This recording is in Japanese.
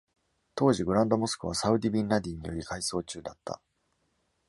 当時、グランドモスクはサウディ・ビンラディンにより改装中だった。